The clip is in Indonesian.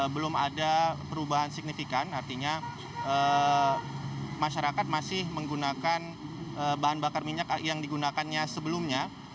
belum ada perubahan signifikan artinya masyarakat masih menggunakan bahan bakar minyak yang digunakannya sebelumnya